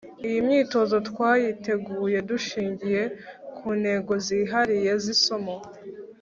Iyi myitozo twayiteguye dushingiye ku ntego zihariye z’isomo